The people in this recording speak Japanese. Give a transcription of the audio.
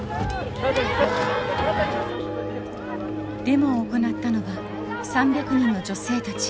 デモを行ったのは３００人の女性たち。